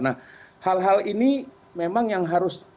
nah hal hal ini memang yang harus